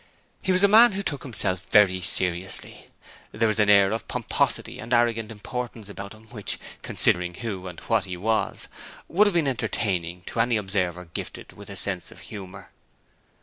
He was a man who took himself very seriously. There was an air of pomposity and arrogant importance about him which considering who and what he was would have been entertaining to any observer gifted with a sense of humour.